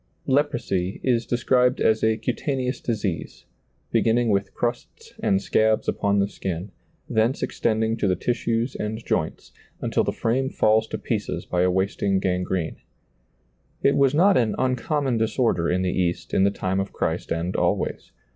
Leprosy is described as a cutaneous disease, beginning with crusts and scabs upon the skin, thence extending to the tissues and joints, until the frame falls to pieces by a wasting gangrene. It was not an uncommon disorder in the East in the time of Christ and always.